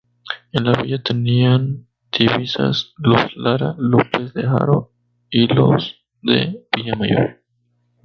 En la villa tenían divisas los Lara, López de Haro y los de Villamayor.